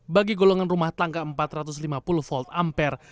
bagi golongan rumah tangga empat ratus lima puluh volt ampere